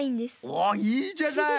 おっいいじゃない。